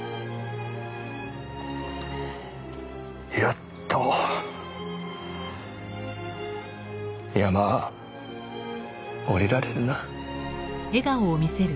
やっと山下りられるな。